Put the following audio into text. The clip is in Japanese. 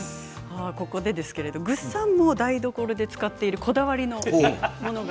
ここで、ぐっさんも台所で使っているこだわりのものが。